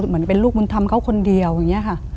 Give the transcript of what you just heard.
เหมือนเป็นลูกบุญธรรมเขาคนเดียวอย่างนี้ค่ะ